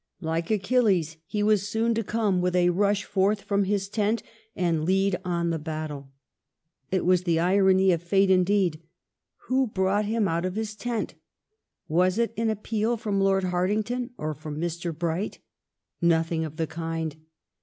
Like Achilles, he was soon to come with a rush forth from his tent and lead on the battle. It was the irony of fate, indeed. Who brought him out of his tent.^^ Was it an appeal from Lord Hartington or from Mr. Bright .^^ Nothing of the kind.